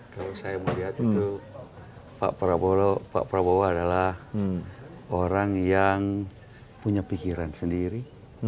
kalau saya melihat itu pak prabowo adalah orang yang punya pikiran sendiri